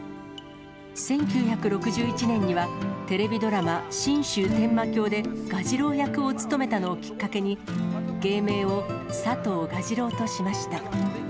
１９６１年には、テレビドラマ、神州天馬侠で蛾次郎役を務めたのをきっかけに、芸名を佐藤蛾次郎としました。